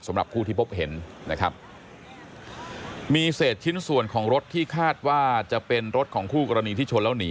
สำหรับผู้ที่พบเห็นนะครับมีเศษชิ้นส่วนของรถที่คาดว่าจะเป็นรถของคู่กรณีที่ชนแล้วหนี